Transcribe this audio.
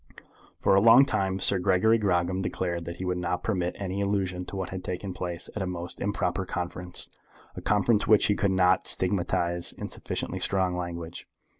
For a long time Sir Gregory Grogram declared that he would not permit any allusion to what had taken place at a most improper conference, a conference which he could not stigmatize in sufficiently strong language.